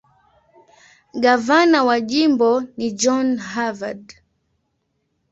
Gavana wa jimbo ni John Harvard.